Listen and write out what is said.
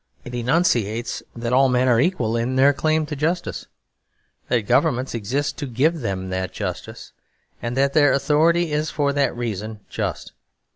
It enunciates that all men are equal in their claim to justice, that governments exist to give them that justice, and that their authority is for that reason just.